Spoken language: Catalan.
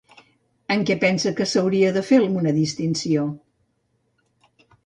En què pensa que s'hauria de fer una distinció?